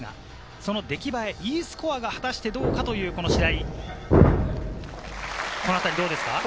そんで出来栄え、Ｅスコアが果たしてどうかという白井。